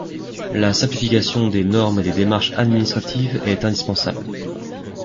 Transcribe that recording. La simplification des normes et des démarches administratives est indispensable.